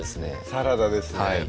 サラダですね